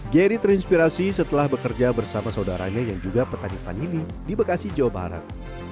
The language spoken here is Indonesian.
geri terinspirasi setelah bekerja bersama saudaranya yang juga petani vanili di bekasi jawa barat